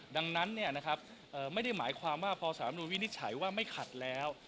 ดังนั้นไม่ได้หมายความว่าพอสารรัฐมนุนวินิจฉัยว่าไม่ขัดแล้ว